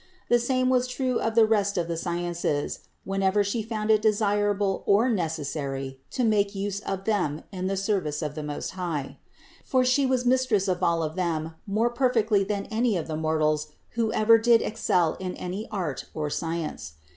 The same was true of all the rest of the sciences, whenever She found it desirable or necessary to make use of them in the service of the Most High. For She was Mistress of all of them more perfectly than any of the mortals who ever did excel in any art or science.